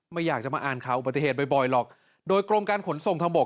ไม่อยากจะมาอ่านข่าวอุบัติเหตุบ่อยหรอกโดยกรมการขนส่งทางบก